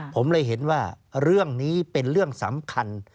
ผมเลยเห็นว่าเรื่องนี้เป็นเรื่องสำคัญ